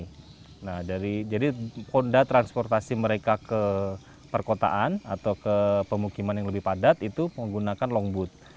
kondisi transportasi kondisi terapung dari kondisi terapung ke kota atau ke pemukiman yang lebih padat itu menggunakan longboot